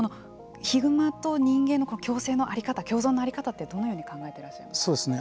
ヒグマと人間の共生の在り方共存の在り方はどのように考えていらっしゃいますか。